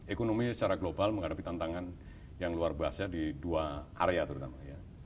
ekonomi secara global menghadapi tantangan yang luar biasa di dua area terutama ya